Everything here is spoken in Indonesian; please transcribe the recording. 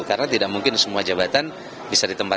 karena tidak mungkin semua jabatan bisa ditempati